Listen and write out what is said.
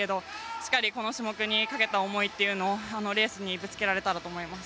しっかりこの種目にかけた思いをレースにぶつけられたと思います。